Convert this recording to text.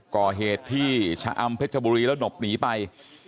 ก่อเหตุที่ชะอำเพชรบุรีแล้วหลบหนีไป